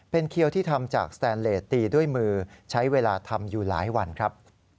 เคี้ยวที่ทำจากสแตนเลสตีด้วยมือใช้เวลาทำอยู่หลายวันครับ